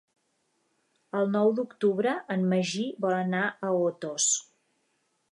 El nou d'octubre en Magí vol anar a Otos.